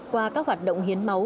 qua các hoạt động hiến máu